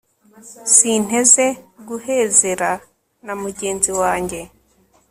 sinteze guhezera na mugenzi wanjye